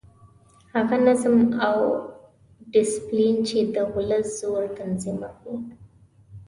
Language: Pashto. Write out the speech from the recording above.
هغه نظم او ډسپلین چې د ولس زور تنظیموي.